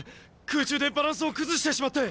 空中でバランスを崩してしまって！